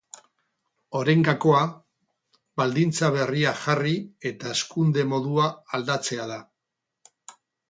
Orain gakoa baldintza berriak jarri eta hazkunde modua aldatzea da.